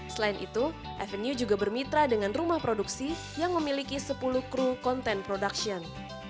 selain itu avenue juga bermitra dengan rumah produksi yang memiliki sepuluh kru content production